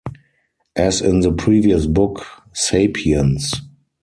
As in the previous book, “Sapiens.